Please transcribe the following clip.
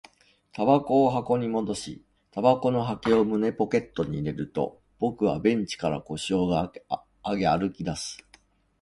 煙草を箱に戻し、煙草の箱を胸ポケットに入れると、僕はベンチから腰を上げ、歩き出す